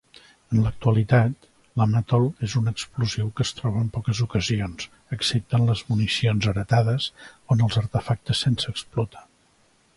En l'actualitat, l'amatol és un explosiu que es troba en poques ocasions, excepte en les municions heretades o en els artefactes sense explotar.